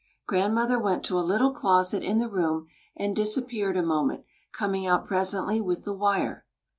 Grandmother went to a little closet in the room and disappeared a moment, coming out presently with the wire.